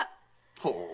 ほう。